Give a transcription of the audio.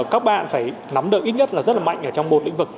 các bạn phải nắm được ít nhất là rất là mạnh ở trong một lĩnh vực